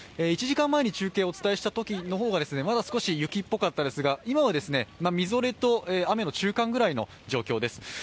１時間前に中継をお届けしたときの方が雪っぽかったんですが、今は、みぞれと雨の中間ぐらいの状況です。